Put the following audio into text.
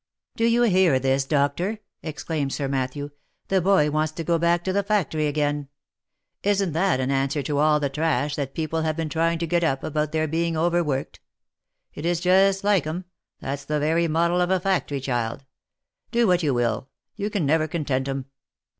" Do you hear this, doctor?" exclaimed Sir Matthew ;" the boy wants to go back to the factory'again. Isn't that an answer to all the trash that people have been trying to get up about their being over worked ? It is just like 'em — that's the very model of a factory child — do what you will, you can never content 'em."